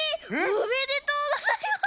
おめでとうございます！